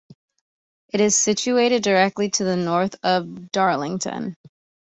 It is situated directly to the north of Darlington.